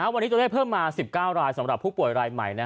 วันนี้ตัวเลขเพิ่มมา๑๙รายสำหรับผู้ป่วยรายใหม่